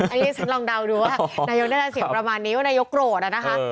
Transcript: อันนี้ฉันลองเดาดูว่านายกได้ยินเสียงประมาณนี้ว่านายกโกรธอะนะคะ